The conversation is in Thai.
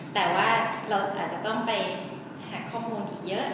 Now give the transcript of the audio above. แต่ว่าเราอาจจะต้องไปหาข้อมูลอีกเยอะ